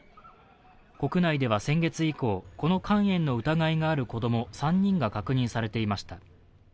国内では先月以降、この肝炎の疑いがある子供３人が確認されていました。